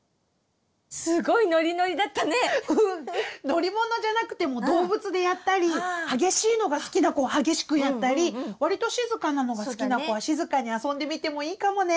乗り物じゃなくても動物でやったり激しいのが好きな子は激しくやったりわりと静かなのが好きな子は静かに遊んでみてもいいかもね！